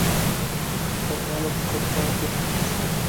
Journal of Corporate Finance.